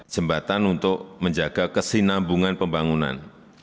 jembatan untuk menjaga kese nambungan pembangunan